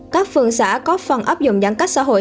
các phường xã có phần áp dụng giãn cách xã hội